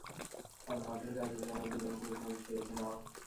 আর মাঠের কাজের জন্য দুজন পুরুষমানুষ বেছে নাও।